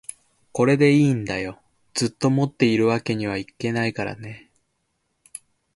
これでいいんだよ、ずっと持っているわけにはいけないからね